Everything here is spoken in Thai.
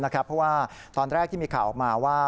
เพราะว่าตอนแรกที่มีข่าวออกมาว่า